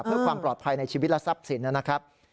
เพื่อความปลอดภัยในชีวิตและทรัพย์สินนะครับ